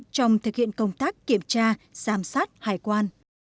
trong thực hiện công tác kiểm tra giám sát hải quan